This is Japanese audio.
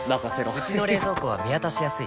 うちの冷蔵庫は見渡しやすい